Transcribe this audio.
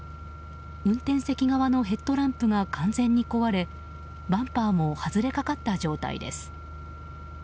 運転席側のヘッドランプが完全に壊れバンパーも外れかかった状態です。